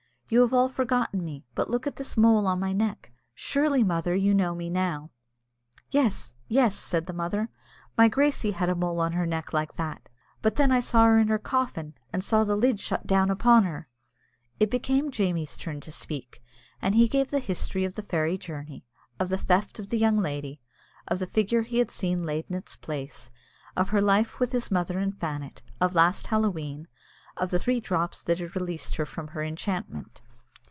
"You have all forgotten me; but look at this mole on my neck. Surely, mother, you know me now?" "Yes, yes," said the mother, "my Gracie had a mole on her neck like that; but then I saw her in her coffin, and saw the lid shut down upon her." It became Jamie's turn to speak, and he gave the history of the fairy journey, of the theft of the young lady, of the figure he had seen laid in its place, of her life with his mother in Fannet, of last Halloween, and of the three drops that had released her from her enchantment.